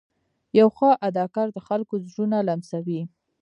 یو ښه اداکار د خلکو زړونه لمسوي.